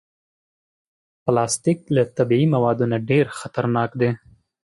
پلاستيک له طبعي موادو نه ډېر خطرناک دی.